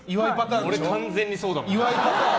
俺、完全にそうだもん。